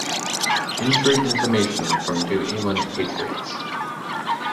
Injury information from New England Patriots.